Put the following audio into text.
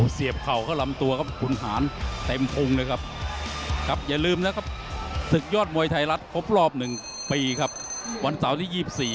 ส์๐๕ว่าย่างนี้คือสีสันยกที่๑